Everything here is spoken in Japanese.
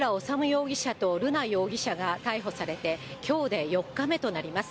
容疑者と瑠奈容疑者が逮捕されて、きょうで４日目となります。